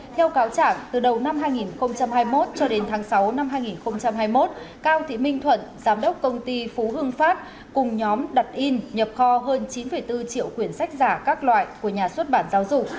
theo cáo chẳng từ đầu năm hai nghìn hai mươi một cho đến tháng sáu năm hai nghìn hai mươi một cao thị minh thuận giám đốc công ty phú hương phát cùng nhóm đặt in nhập kho hơn chín bốn triệu quyền sách giả các loại của nhà xuất bản giáo dục